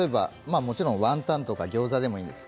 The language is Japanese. ワンタンとかギョーザでもいいです。